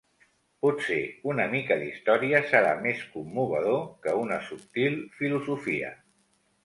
Potser una mica d"història serà més commovedor que una subtil filosofia.